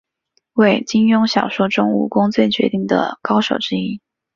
为金庸小说中武功最绝顶的高手之一。